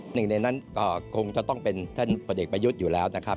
หนึ่งในนั้นก็คงจะต้องเป็นท่านพลเอกประยุทธ์อยู่แล้วนะครับ